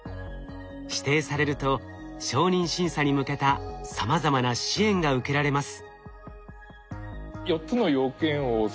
指定されると承認審査に向けたさまざまな支援が受けられます。